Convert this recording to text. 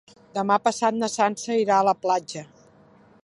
Demà passat na Sança irà a la platja.